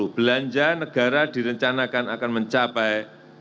belanja negara direncanakan akan mencapai